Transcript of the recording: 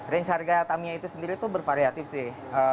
range harga tamiya itu sendiri tuh bervariatif sih